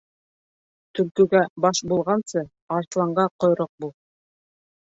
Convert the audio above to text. Төлкөгә баш булғансы, арыҫланға ҡойроҡ бул.